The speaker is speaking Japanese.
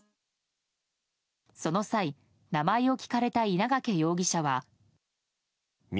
その際、名前を聞かれた稲掛容疑者は。